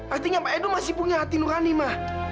artinya pak ido masih punya hati nurani ma